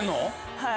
はい。